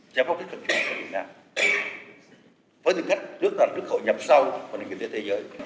sẽ phát triển sự trọng của việt nam